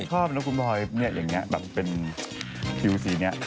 แต่ผมชอบเนาะคุณพลอยเนี่ยอย่างเนี้ยแบบเป็นผิวสีเนี้ย